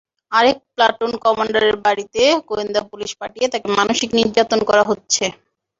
আরেক প্লাটুন কমান্ডারের বাড়িতে গোয়েন্দা পুলিশ পাঠিয়ে তাঁকে মানসিক নির্যাতন করা হচ্ছে।